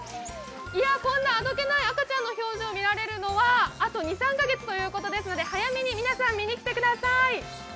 こんなあどけない赤ちゃんの表情、見られるのはあと２３カ月ということですので、皆さん早めに見にきてください。